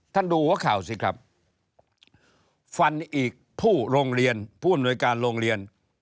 ดูหัวข่าวสิครับฟันอีกผู้โรงเรียนผู้อำนวยการโรงเรียน